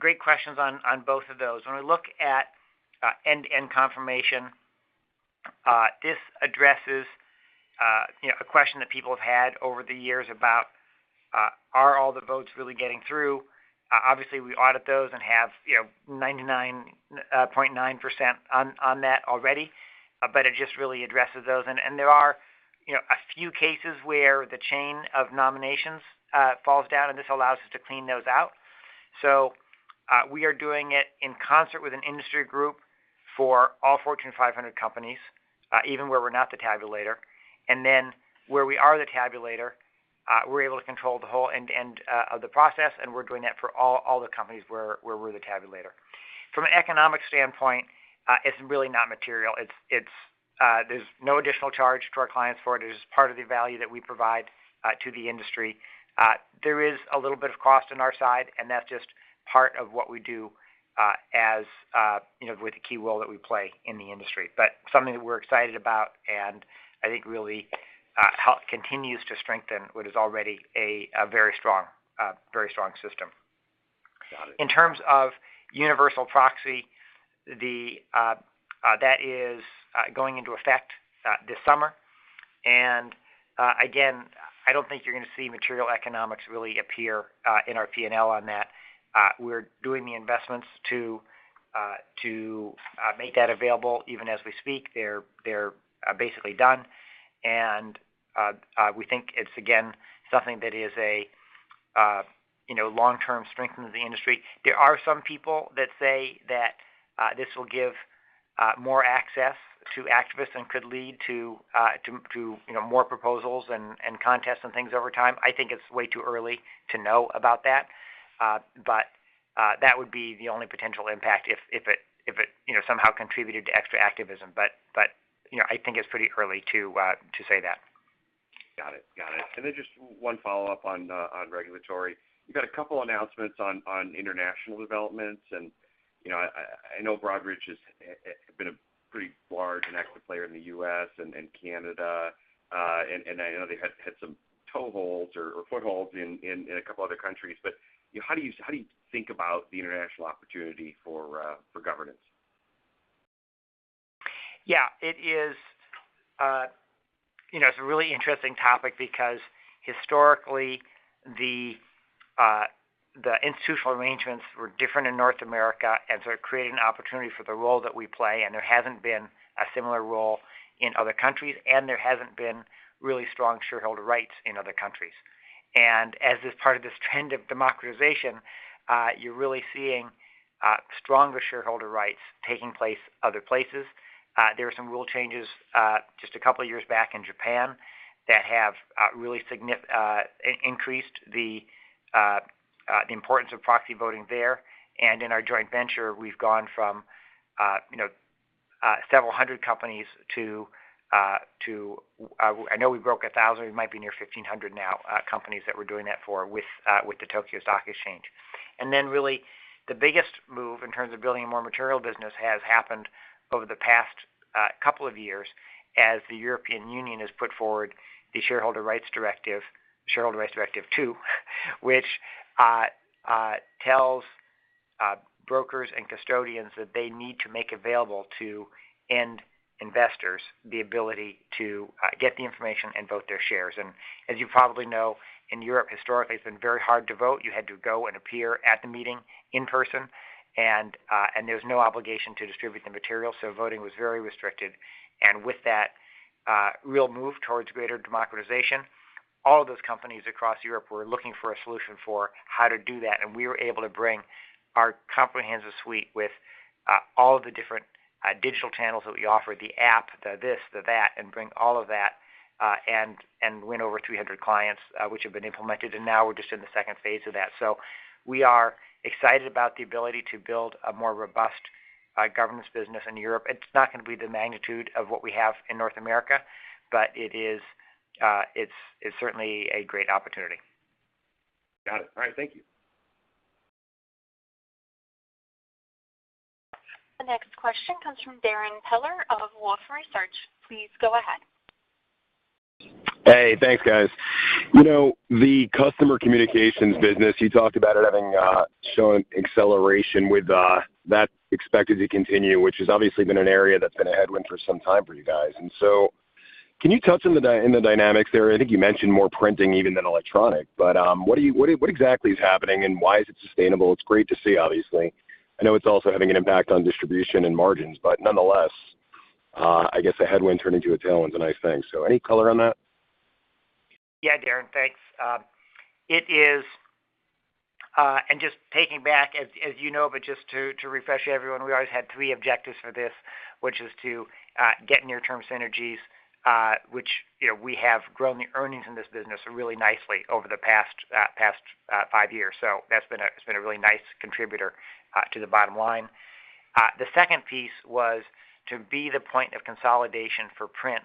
Great questions on both of those. When we look at end-to-end confirmation, this addresses you know, a question that people have had over the years about are all the votes really getting through? Obviously, we audit those and have you know, 99.9% on that already. It just really addresses those. There are you know, a few cases where the chain of nominations falls down, and this allows us to clean those out. We are doing it in concert with an industry group for all Fortune 500 companies, even where we're not the tabulator. Where we are the tabulator, we're able to control the whole end-to-end of the process, and we're doing that for all the companies where we're the tabulator. From an economic standpoint, it's really not material. It's, there's no additional charge to our clients for it. It is part of the value that we provide to the industry. There is a little bit of cost on our side, and that's just part of what we do, you know, with the key role that we play in the industry. Something that we're excited about and I think really help continues to strengthen what is already a very strong system. Got it. In terms of universal proxy, that is going into effect this summer. Again, I don't think you're gonna see material economics really appear in our P&L on that. We're doing the investments to make that available even as we speak. They're basically done. We think it's again something that is, you know, a long-term strength in the industry. There are some people that say that this will give more access to activists and could lead to, you know, more proposals and contests and things over time. I think it's way too early to know about that. That would be the only potential impact if it somehow contributed to extra activism. But, you know, I think it's pretty early to say that. Got it, got it. And then just one follow-up on regulatory. You've got a couple announcements on international developments. You know, I know Broadridge has been a pretty large and active player in the U.S. and Canada. I know they had some toeholds or footholds in a couple other countries. You know, how do you think about the international opportunity for governance? Yeah. It is, you know, it's a really interesting topic because historically, the institutional arrangements were different in North America and started creating an opportunity for the role that we play, and there hasn't been a similar role in other countries, and there hasn't been really strong shareholder rights in other countries. As part of this trend of democratization, you're really seeing stronger shareholder rights taking place other places. There are some rule changes just a couple of years back in Japan that have really increased the importance of proxy voting there. In our joint venture, we've gone from, you know, several hundred companies to. I know we broke a thousand. We might be near 1,500 now, companies that we're doing that for with the Tokyo Stock Exchange. Really the biggest move in terms of building a more material business has happened over the past couple of years as the European Union has put forward the Shareholder Rights Directive, Shareholder Rights Directive II, which tells brokers and custodians that they need to make available to end investors the ability to get the information and vote their shares. As you probably know, in Europe, historically, it's been very hard to vote. You had to go and appear at the meeting in person. There's no obligation to distribute the material, so voting was very restricted. With that real move towards greater democratization, all of those companies across Europe were looking for a solution for how to do that, and we were able to bring our comprehensive suite with all of the different digital channels that we offer, the app, the this, the that, and bring all of that, and win over 300 clients, which have been implemented. Now we're just in the second phase of that. We are excited about the ability to build a more robust governance business in Europe. It's not gonna be the magnitude of what we have in North America, but it is certainly a great opportunity. Got it. All right. Thank you. The next question comes from Darrin Peller of Wolfe Research. Please go ahead. Hey, thanks, guys. You know, the customer communications business, you talked about it having shown acceleration with that expected to continue, which has obviously been an area that's been a headwind for some time for you guys. Can you touch on the dynamics there? I think you mentioned more printing even than electronic, but what exactly is happening, and why is it sustainable? It's great to see, obviously. I know it's also having an impact on distribution and margins. But, nonetheless, I guess a headwind turning into a tailwind's a nice thing. So, any color on that? Yeah, Darrin, thanks. Just taking a step back, as you know, but just to refresh everyone, we always had three objectives for this, which is to get near-term synergies, which, you know, we have grown the earnings in this business really nicely over the past five years. So that's been a really nice contributor to the bottom line. The second piece was to be the point of consolidation for print.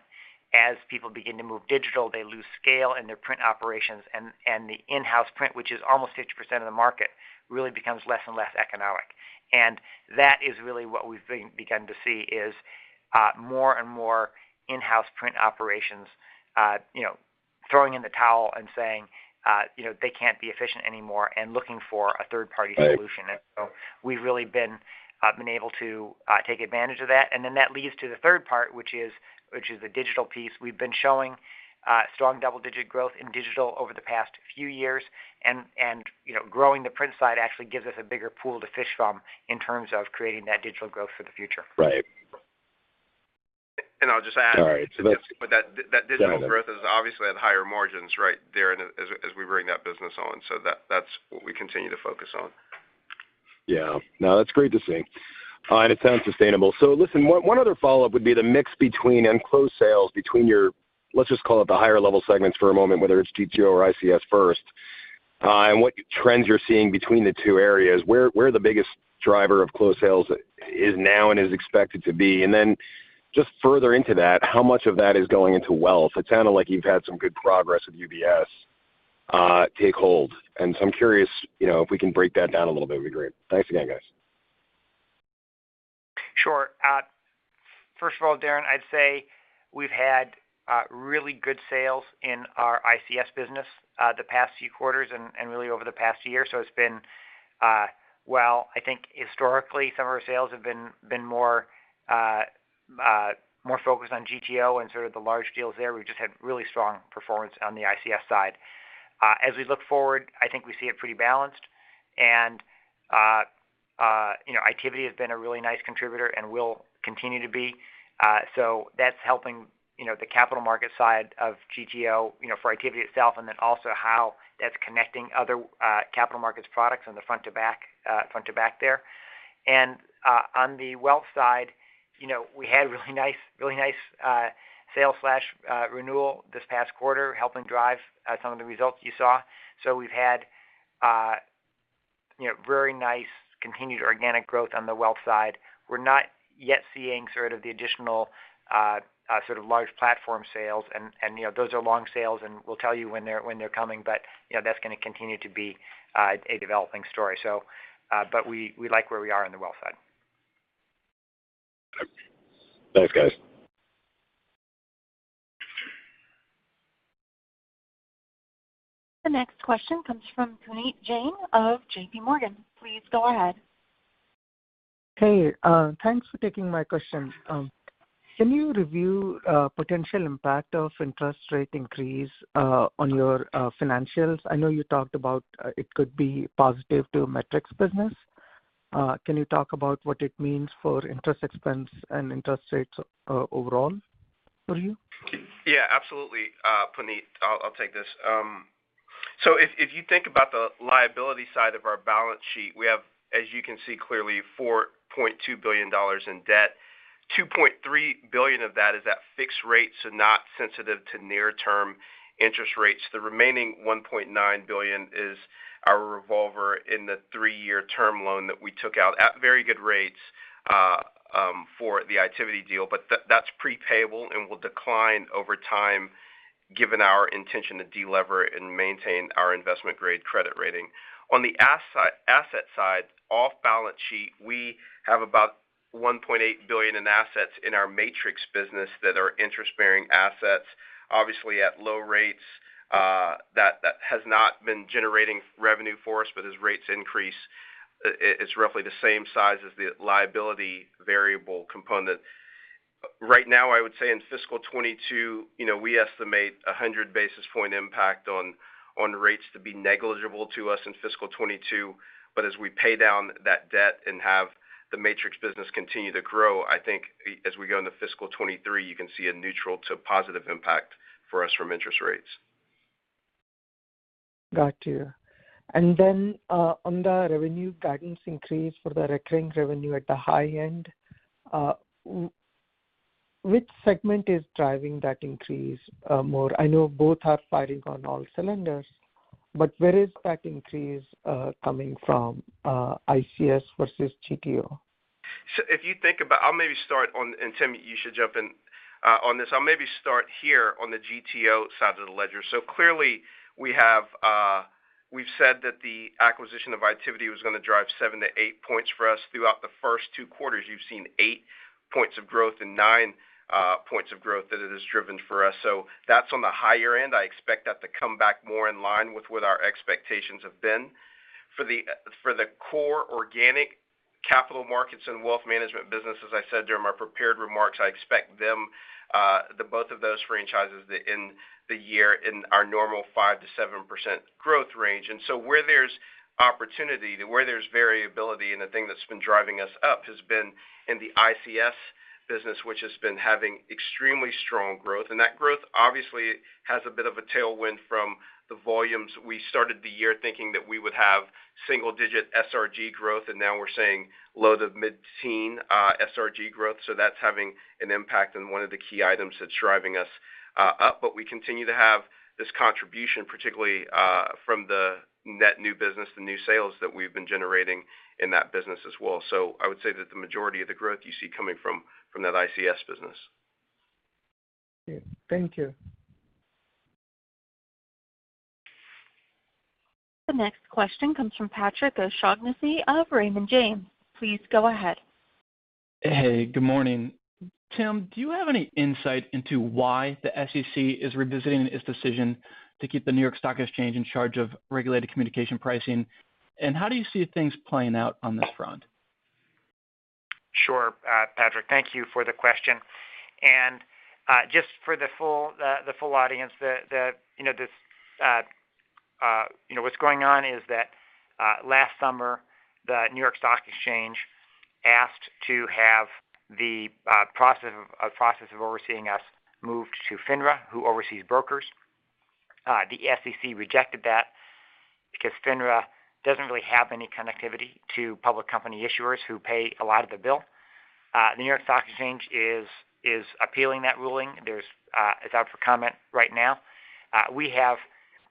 As people begin to move to digital, they lose scale in their print operations and the in-house print, which is almost 50% of the market, really becomes less and less economic. And, that is really what we've begun to see, more and more in-house print operations, you know, throwing in the towel and saying, you know, they can't be efficient anymore and looking for a third-party solution. Right. We've really been able to take advantage of that. That leads to the third part, which is the digital piece. We've been showing strong double-digit growth in digital over the past few years. You know, growing the print side actually gives us a bigger pool to fish from in terms of creating that digital growth for the future. Right. I'll just add. Sorry. Go ahead. That digital growth is obviously at higher margins right there as we bring that business on. That's what we continue to focus on. Yeah. No, that's great to see. And it sounds sustainable. Listen, one other follow-up would be the mix between closed sales between your, let's just call it the higher level segments for a moment, whether it's GTO or ICS first, and what trends you're seeing between the two areas. Where are the biggest driver of closed sales now and is expected to be? Then just further into that, how much of that is going into wealth? It sounded like you've had some good progress with UBS, take hold. And so, i'm curious, you know, if we can break that down a little bit, it'd be great. Thanks again, guys. Sure. First of all, Darrin, I'd say we've had really good sales in our ICS business, the past few quarters and really over the past year. It's been. Well, I think historically, some of our sales have been more focused on GTO and sort of the large deals there. We've just had really strong performance on the ICS side. As we look forward, I think we see it pretty balanced. You know, Itiviti has been a really nice contributor and will continue to be. That's helping, you know, the capital market side of GTO, you know, for Itiviti itself, and then also how that's connecting other Capital Markets products on the front to back there. On the wealth side, you know, we had really nice sales slash renewal this past quarter, helping drive some of the results you saw. We've had, you know, very nice continued organic growth on the wealth side. We're not yet seeing sort of the additional sort of large platform sales. You know, those are long sales, and we'll tell you when they're coming, but you know, that's gonna continue to be a developing story. But we like where we are on the wealth side. Thanks, guys. The next question comes from Puneet Jain of JPMorgan. Please go ahead. Hey, thanks for taking my question. Can you review potential impact of interest rate increase on your financials? I know you talked about it could be positive to Matrix business. Can you talk about what it means for interest expense and interest rates overall for you? Yeah, absolutely, Puneet. I'll take this. So if you think about the liability side of our balance sheet, we have, as you can see clearly, $4.2 billion in debt. $2.3 billion of that is at fixed rates, so not sensitive to near-term interest rates. The remaining $1.9 billion is our revolver in the three-year term loan that we took out at very good rates for the Itiviti deal. That's pre-payable and will decline over time given our intention to delever it and maintain our investment-grade credit rating. On the asset side, off balance sheet, we have about $1.8 billion in assets in our Matrix business that are interest-bearing assets, obviously at low rates, that has not been generating revenue for us. But as rates increase, it's roughly the same size as the liability variable component. Right now, I would say in fiscal 2022, you know, we estimate 100 basis points impact on rates to be negligible to us in fiscal 2022. As we pay down that debt and have the Matrix business continue to grow, I think as we go into fiscal 2023, you can see a neutral to positive impact for us from interest rates. Got you. On the revenue guidance increase for the recurring revenue at the high end, which segment is driving that increase, more? I know both are firing on all cylinders, but where is that increase, coming from, ICS versus GTO? If you think about it, I'll maybe start here on the GTO side of the ledger. Tim, you should jump in on this. Clearly, we have. We've said that the acquisition of Itiviti was gonna drive seven to eight points for us throughout the first two quarters. You've seen eight points of growth and nine points of growth that it has driven for us. That's on the higher end. I expect that to come back more in line with what our expectations have been. For the core organic Capital Markets and wealth management business, as I said during my prepared remarks, I expect the both of those franchises to end the year in our normal 5%-7% growth range. Where there's opportunity, where there's variability, and the thing that's been driving us up has been in the ICS business, which has been having extremely strong growth. That growth obviously has a bit of a tailwind from the volumes. We started the year thinking that we would have single-digit SRG growth, and now we're saying low to mid-teen SRG growth. That's having an impact on one of the key items that's driving us up. We continue to have this contribution, particularly from the net new business, the new sales that we've been generating in that business as well. I would say that the majority of the growth you see coming from that ICS business. Okay. Thank you. The next question comes from Patrick O'Shaughnessy of Raymond James. Please go ahead. Hey, good morning. Tim, do you have any insight into why the SEC is revisiting its decision to keep the New York Stock Exchange in charge of regulated communication pricing? How do you see things playing out on this front? Sure. Patrick, thank you for the question. Just for the full audience, you know, this, you know, what's going on is that, last summer, the New York Stock Exchange asked to have the process of overseeing us moved to FINRA, who oversees brokers. The SEC rejected that because FINRA doesn't really have any connectivity to public company issuers who pay a lot of the bill. The New York Stock Exchange is appealing that ruling. It's out for comment right now. We have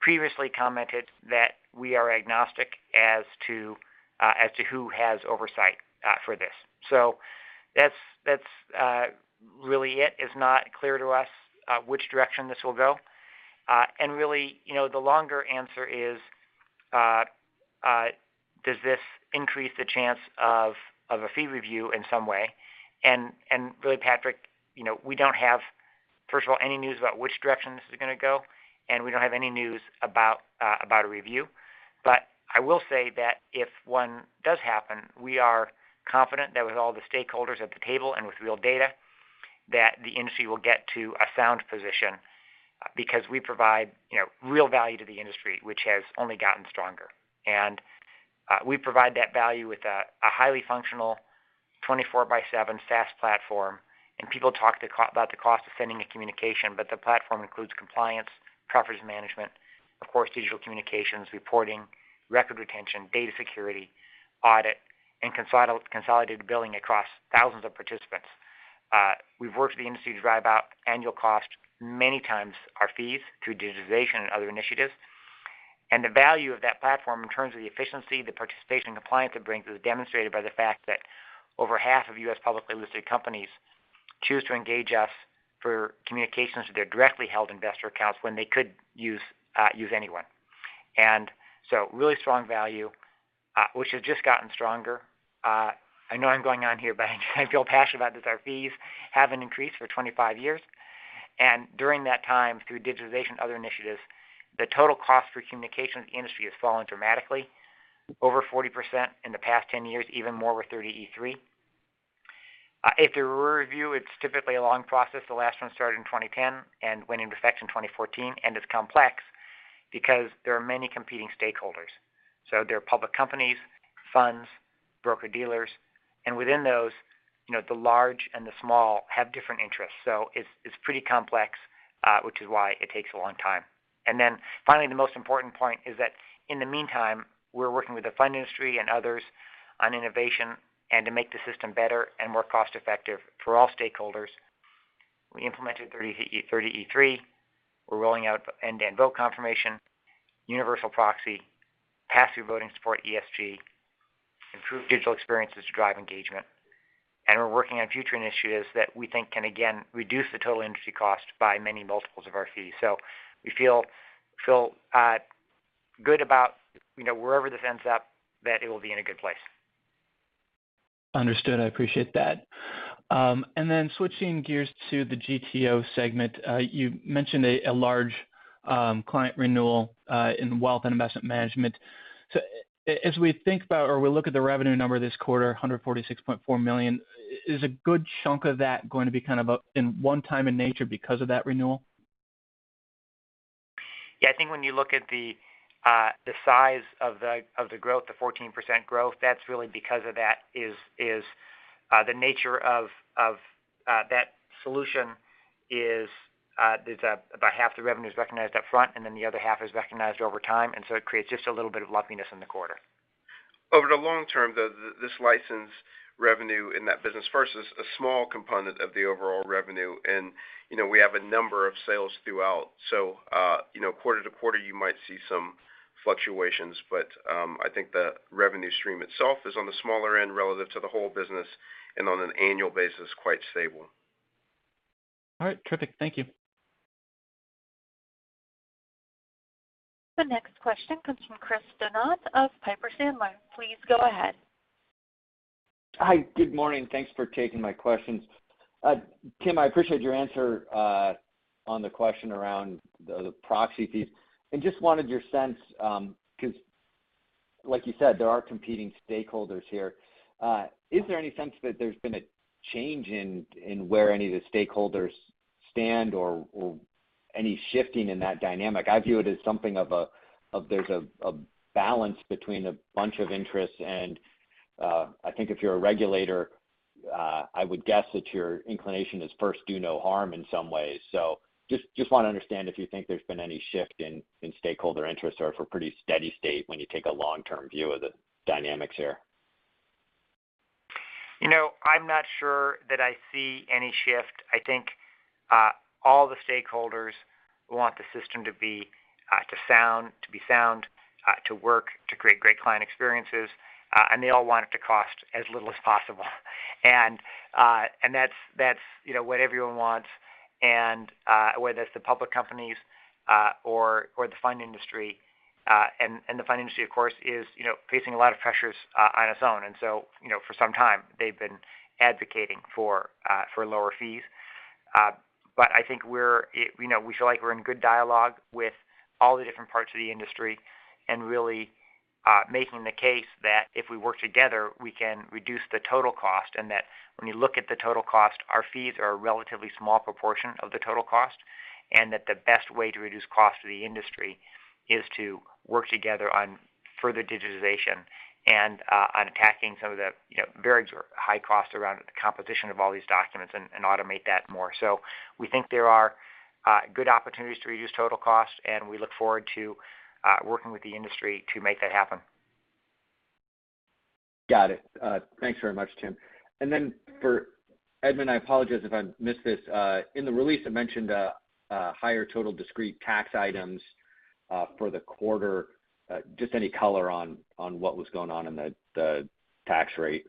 previously commented that we are agnostic as to who has oversight for this. That's really it. It's not clear to us which direction this will go. Really, you know, the longer answer is, does this increase the chance of a fee review in some way? Really, Patrick, you know, we don't have, first of all, any news about which direction this is gonna go, and we don't have any news about a review. But I will say that if one does happen, we are confident that with all the stakeholders at the table and with real data, that the industry will get to a sound position because we provide, you know, real value to the industry, which has only gotten stronger. We provide that value with a highly functional 24/7 SaaS platform. People talk to companies about the cost of sending a communication, but the platform includes compliance, proxy management, of course, digital communications, reporting, record retention, data security, audit, and consolidated billing across thousands of participants. We've worked with the industry to drive out annual cost many times our fees through digitization and other initiatives. The value of that platform in terms of the efficiency, the participation and compliance it brings is demonstrated by the fact that over half of U.S. publicly listed companies choose to engage us for communications with their directly held investor accounts when they could use anyone. Really strong value, which has just gotten stronger. I know I'm going on here, but I feel passionate about this. Our fees haven't increased for 25 years. During that time, through digitization and other initiatives, the total cost for communication with the industry has fallen dramatically, over 40% in the past 10 years, even more with 30e-3. If there were a review, it's typically a long process. The last one started in 2010 and went into effect in 2014, and it's complex because there are many competing stakeholders. There are public companies, funds, broker-dealers, and within those, you know, the large and the small have different interests. It's pretty complex, which is why it takes a long time. Finally, the most important point is that in the meantime, we're working with the fund industry and others on innovation and to make the system better and more cost-effective for all stakeholders. We implemented 30e-3. We're rolling out end-to-end vote confirmation, universal proxy, passive voting support ESG, improved digital experiences to drive engagement. We're working on future initiatives that we think can again reduce the total industry cost by many multiples of our fees. We feel good about, you know, wherever this ends up, that it will be in a good place. Understood. I appreciate that. Switching gears to the GTO segment. You mentioned a large client renewal in Wealth & Investment Management. As we think about or we look at the revenue number this quarter, $146.4 million, is a good chunk of that going to be kind of in one-time in nature because of that renewal? Yeah. I think when you look at the size of the growth, the 14% growth, that's really because of the nature of that solution. There's about half the revenue recognized up front, and then the other half is recognized over time. So it creates just a little bit of lumpiness in the quarter. Over the long term, this license revenue in that business is a small component of the overall revenue, and you know, we have a number of sales throughout. You know, quarter to quarter, you might see some fluctuations, but I think the revenue stream itself is on the smaller end relative to the whole business and on an annual basis, quite stable. All right. Terrific. Thank you. The next question comes from Chris Donat of Piper Sandler. Please go ahead. Hi. Good morning. Thanks for taking my questions. Tim, I appreciate your answer. On the question around the proxy fees. I just wanted your sense, 'cause like you said, there are competing stakeholders here. Is there any sense that there's been a change in where any of the stakeholders stand or any shifting in that dynamic? I view it as something of a balance between a bunch of interests and I think if you're a regulator, I would guess that your inclination is first do no harm in some ways. Just wanna understand if you think there's been any shift in stakeholder interests or if we're pretty steady state when you take a long-term view of the dynamics here. You know, I'm not sure that I see any shift. I think all the stakeholders want the system to be sound, to work, to create great client experiences, and they all want it to cost as little as possible. That's, you know, what everyone wants, and whether it's the public companies or the fund industry. The fund industry, of course, is, you know, facing a lot of pressures on its own. You know, for some time, they've been advocating for lower fees. I think we're you know, we feel like we're in good dialogue with all the different parts of the industry and really making the case that if we work together, we can reduce the total cost and that when you look at the total cost, our fees are a relatively small proportion of the total cost, and that the best way to reduce costs to the industry is to work together on further digitization and on attacking some of the you know, very high costs around the composition of all these documents and automate that more. We think there are good opportunities to reduce total cost, and we look forward to working with the industry to make that happen. Got it. Thanks very much, Tim. For Edmund, I apologize if I missed this. In the release, it mentioned a higher total discrete tax items for the quarter. Just any color on what was going on in the tax rate.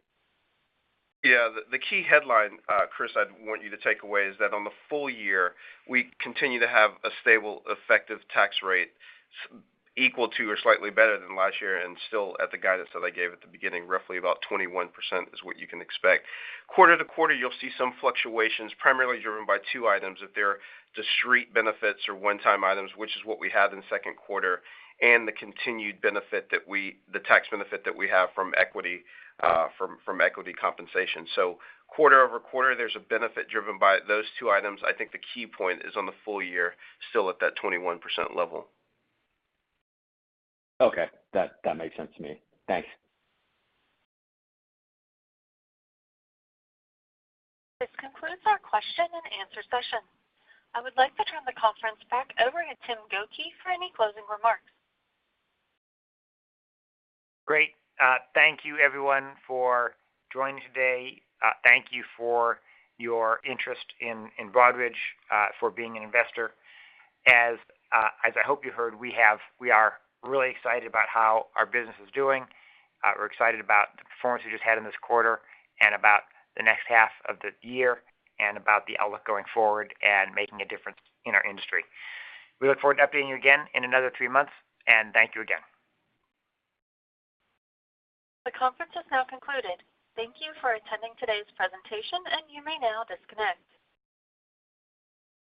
Yeah. The key headline, Chris, I'd want you to take away is that on the full year, we continue to have a stable, effective tax rate equal to or slightly better than last year and still at the guidance that I gave at the beginning, roughly about 21% is what you can expect. Quarter to quarter, you'll see some fluctuations, primarily driven by two items. If they're discrete benefits or one-time items, which is what we have in the second quarter, and the continued tax benefit that we have from equity compensation. Quarter-over-quarter, there's a benefit driven by those two items. I think the key point is on the full year, still at that 21% level. Okay. That makes sense to me. Thanks. This concludes our question and answer session. I would like to turn the conference back over to Tim Gokey for any closing remarks. Great. Thank you everyone for joining today. Thank you for your interest in Broadridge for being an investor. I hope you heard, we are really excited about how our business is doing. We're excited about the performance we just had in this quarter and about the next half of the year and about the outlook going forward and making a difference in our industry. We look forward to updating you again in another three months, and thank you again. The conference has now concluded. Thank you for attending today's presentation, and you may now disconnect.